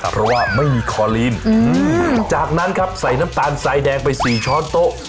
เพราะว่าไม่มีคอลีนจากนั้นครับใส่น้ำตาลทรายแดงไป๔ช้อนโต๊ะ